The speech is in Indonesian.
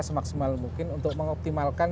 semaksimal mungkin untuk mengoptimalkan